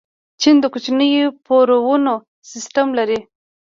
چین د کوچنیو پورونو سیسټم لري.